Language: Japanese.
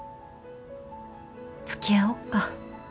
つきあおっか。